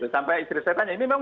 sampai istri saya tanya ini memang